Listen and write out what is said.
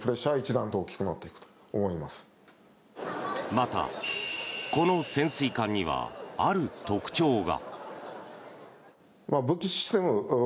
また、この潜水艦にはある特徴が。